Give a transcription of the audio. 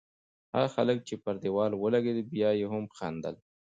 هغه هلک چې پر دېوال ولگېد، بیا یې هم خندل.